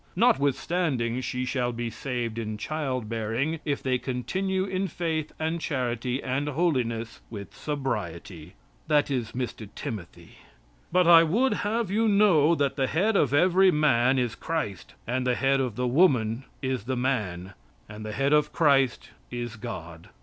Notwithstanding she shall be saved in child bearing if they continue in faith and charity and holiness with sobriety." (That is Mr. Timothy.) "But I would have you know that the head of every man is Christ, and the head of the woman is the man, and the head of Christ is God."